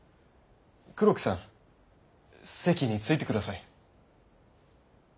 黒木さん席について下さい。